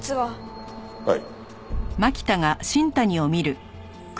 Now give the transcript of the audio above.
はい。